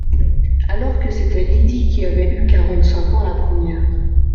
alors que c’était Lydie qui avait eu quarante-cinq ans la première.